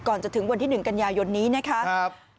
ก่อนจะถึงวันที่๑กันยายนนี้นะครับ